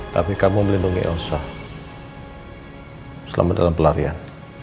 tapi kamu melindungi ossa hai selama dalam pelarian